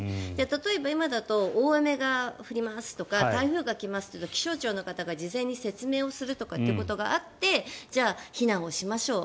例えば、今だと大雨が降りますとか台風が来ますっていう時に気象庁の方が事前に説明をするとかってことがあってじゃあ、避難をしましょう。